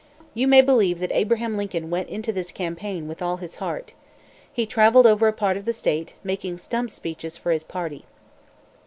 You may believe that Abraham Lincoln went into this campaign with all his heart. He traveled over a part of the state, making stump speeches for his party.